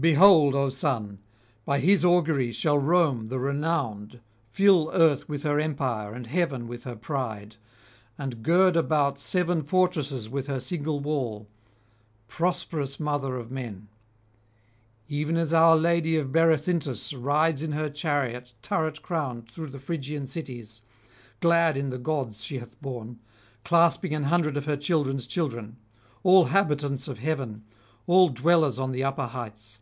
Behold, O son! by his augury shall Rome the renowned fill earth with her empire and heaven with her pride, and gird about seven fortresses with her single wall, prosperous mother of men; even as our lady of Berecyntus rides in her chariot turret crowned through the Phrygian cities, glad in the gods she hath borne, clasping an hundred of her children's children, all habitants of heaven, all dwellers on the upper heights.